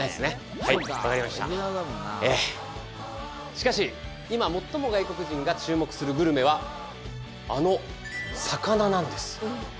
しかし今最も外国人が注目するグルメはあの魚なんです。